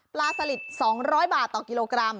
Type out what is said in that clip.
ปลาสลิด๒๐๐บาทต่อกิโลกรัม